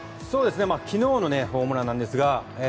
昨日のホームランです。